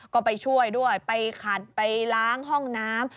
ก็ไปช่วยด้วยไปขัดไปล้างห้องน้ำ